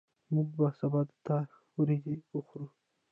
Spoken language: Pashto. موږ به سبا د تا وریځي وخورو